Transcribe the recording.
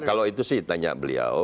kalau itu sih tanya beliau